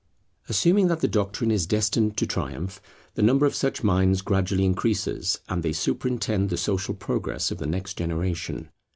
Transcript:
Assuming that the doctrine is destined to triumph, the number of such minds gradually increases, and they superintend the social progress of the next generation.